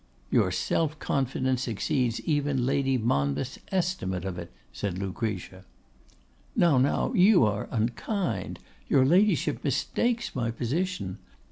'Your self confidence exceeds even Lord Monmouth's estimate of it,' said Lucretia. 'Now, now, you are unkind. Your Ladyship mistakes my position.